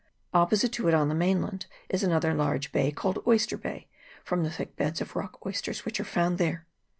Opposite to it, on the mainland, is another large bay, called Oyster Bay, from the thick beds of rock oysters which are found there.